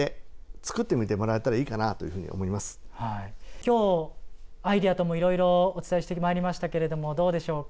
今日アイデア等もいろいろお伝えしてまいりましたけれどもどうでしょうか？